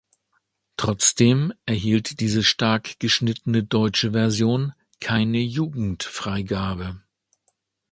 Trotzdem erhielt diese stark geschnittene deutsche Version "Keine Jugendfreigabe".